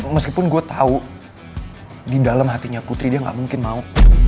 meskipun gue tahu di dalam hatinya putri dia gak mungkin mau